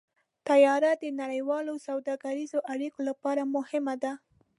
طیاره د نړیوالو سوداګریزو اړیکو لپاره مهمه ده.